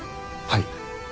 はい。